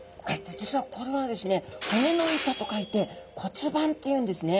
実はこれはですね骨の板と書いて骨板っていうんですね。